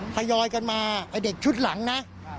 ทยอยกันมาไอ้เด็กชุดหลังนะ